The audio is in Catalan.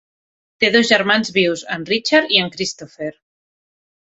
Té dos germans vius, en Richard i en Christopher.